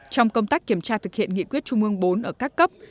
trong công tác kiểm tra thực hiện nghị quyết trung ương bốn ở các cấp